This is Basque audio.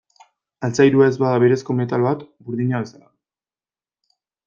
Altzairua ez da berezko metal bat, burdina bezala.